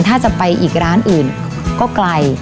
ถ้าจะไปอีกร้านอื่นก็ไกล